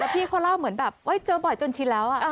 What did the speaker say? พี่เขาเล่าเหมือนแบบเจอบ่อยจนชินแล้ว